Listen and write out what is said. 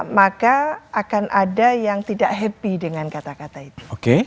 maka akan ada yang tidak happy dengan kata kata itu